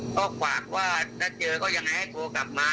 ก็ฝากว่าถ้าเจอก็ยังไงให้โทรกลับมา